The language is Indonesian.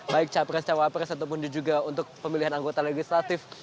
baik capres cawapres ataupun juga untuk pemilihan anggota legislatif